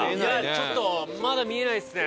ちょっとまだ見えないですね。